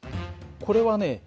これはね